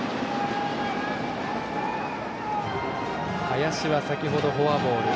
林は先程、フォアボール。